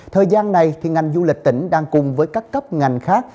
thời gian này ngành du lịch tỉnh đang cùng với các cấp ngành khác